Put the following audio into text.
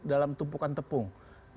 dalam tumpukan tepung